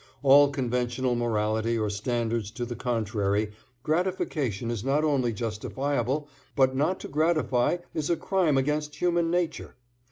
All conventional morality or standards to the contrary, gratification is not only justifiable, but not to gratify is a crime against human nature.